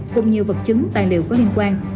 cùng nhiều vật chứng tài liệu có liên quan